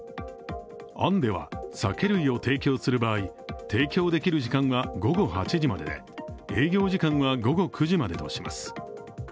案では、酒類を提供する場合提供できる時間は午後８時までで営業時間は午後９時までとします。